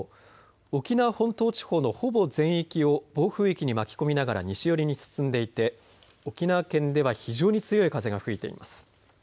沖縄本島地方のほぼ全域を暴風域に巻き込みながら西寄りに進んでいて沖縄県では非常に強い風が吹いています。